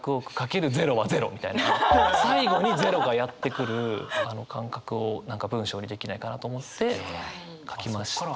最後にゼロがやって来るあの感覚を何か文章にできないかなと思って書きました。